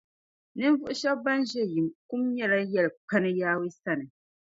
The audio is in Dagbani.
Ninvuɣ’ shɛb’ bɛn ʒe yim kum nyɛla yɛlikpani Yawɛ sani.